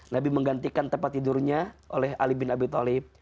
nabi menggantikan tempat tidurnya oleh ali bin abi talib